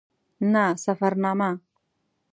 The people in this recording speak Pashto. نه سفرنامه.